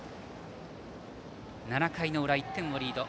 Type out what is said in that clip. ７回の裏、１点をリード。